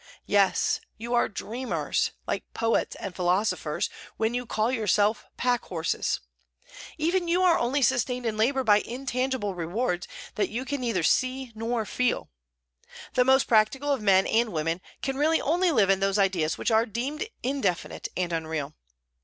Yes, you are dreamers, like poets and philosophers, when you call yourselves pack horses. Even you are only sustained in labor by intangible rewards that you can neither see nor feel. The most practical of men and women can really only live in those ideas which are deemed indefinite and unreal.